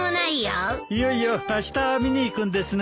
いよいよあした見に行くんですね。